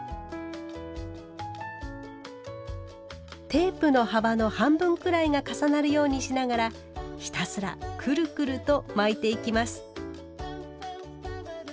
テープの幅の半分くらいが重なるようにしながらひたすらくるくると巻いていきます。